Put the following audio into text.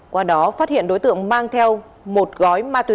qua đó phát hiện đối tượng mang theo một gói ma túy